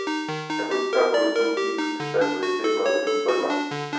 Evropská komise musí být v této věci velmi důsledná.